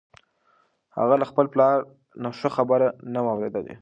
هغه له خپل پلار نه ښه خبره نه وه اورېدلې.